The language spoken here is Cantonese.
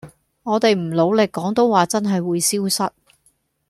我地唔努力廣東話真係會消失